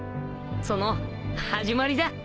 その始まりだ。